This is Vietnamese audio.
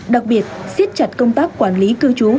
đặc biệt xiết chặt công tác quản lý cư trú